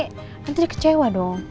nanti dia kecewa dong